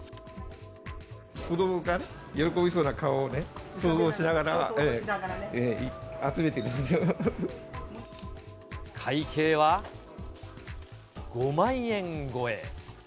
子どもが喜びそうな顔を想像会計は５万円超え。